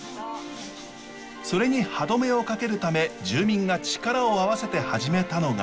それに歯止めをかけるため住民が力を合わせて始めたのが。